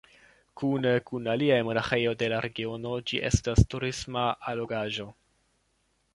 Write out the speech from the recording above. Kune kun aliaj monaĥejoj de la regiono ĝi estas turisma allogaĵo.